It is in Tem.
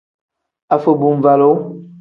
Afobuvalu.